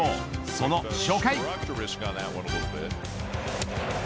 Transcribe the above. その初回。